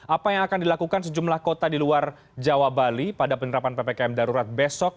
apa yang akan dilakukan sejumlah kota di luar jawa bali pada penerapan ppkm darurat besok